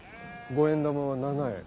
五円玉は７円。